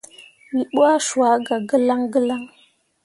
Wǝ ɓuah cua gah gǝlaŋ gǝlaŋ.